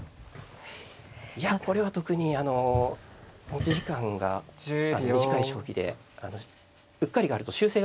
いやこれは特に持ち時間が短い将棋でうっかりがあると修正が利かないですからね。